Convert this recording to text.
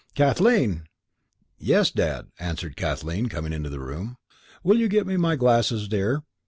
Kathleen!" "Yes, Dad," answered Kathleen, coming into the room. "Will you get me my glasses, dear?"